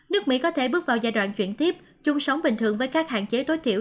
nước mỹ có thể bước vào giai đoạn chuyển tiếp chung sống bình thường với các hạn chế tối thiểu